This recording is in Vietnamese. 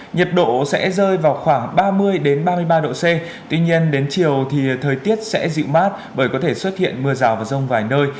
nhiệt độ sẽ rơi vào khoảng ba mươi ba mươi ba độ c tuy nhiên đến chiều thì thời tiết sẽ dịu mát bởi có thể xuất hiện mưa rào và rông vài nơi